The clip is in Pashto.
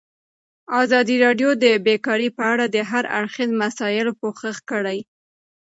ازادي راډیو د بیکاري په اړه د هر اړخیزو مسایلو پوښښ کړی.